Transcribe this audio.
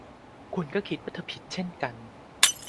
คุณก็คิดว่าเธอผิดเช่นกัน